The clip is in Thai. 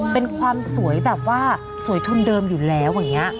เป็นความสวยแบบว่าสวยทุนเดิมอยู่แล้วอย่างนี้